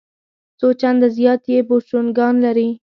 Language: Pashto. څو چنده زیات یې بوشونګان لري.